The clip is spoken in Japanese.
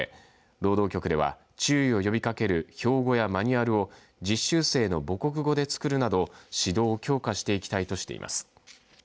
労働局では注意を呼びかける標語やマニュアルを実習生の母国語で作るなど指導を強化していきたいとしています。